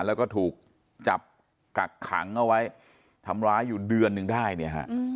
แล้วก็ถูกจับกักขังเอาไว้ทำร้ายอยู่เดือนหนึ่งได้เนี่ยฮะ